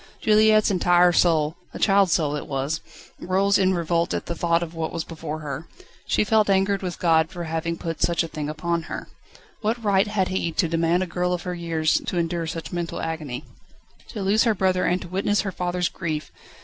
Juliette's entire soul a child's soul it was rose in revolt at thought of what was before her. She felt angered with God for having put such a thing upon her. What right had He to demand a girl of her years to endure so much mental agony? To lose her brother, and to witness her father's grief!